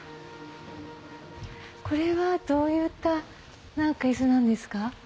これはどういった椅子なんですか？